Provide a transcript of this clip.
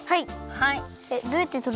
はい。